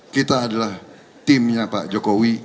kita adalah timnya pak jokowi